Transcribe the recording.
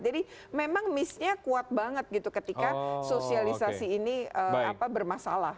jadi memang misnya kuat banget gitu ketika sosialisasi ini bermasalah